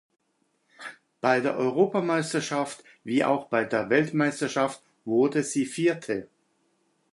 Bei der Europameisterschaft wie auch bei der Weltmeisterschaft wurde sie Vierte.